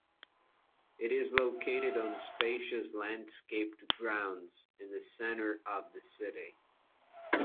It is located on spacious landscaped grounds in the center of the city.